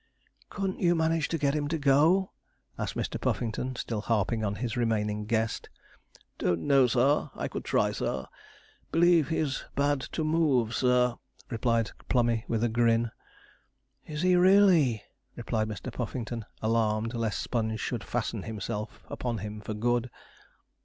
'Couldn't you manage to get him to go?' asked Mr. Puffington, still harping on his remaining guest. 'Don't know, sir. I could try, sir believe he's bad to move, sir,' replied Plummey, with a grin. 'Is he really?' replied Mr. Puffington, alarmed lest Sponge should fasten himself upon him for good.